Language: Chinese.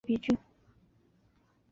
德比郡。